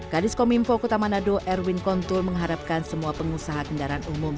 kadis kominfo kota manado erwin konsul mengharapkan semua pengusaha kendaraan umum